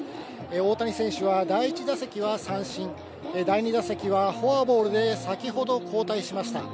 大谷選手は第１打席は三振、第２打席はフォアボールで先ほど交代しました。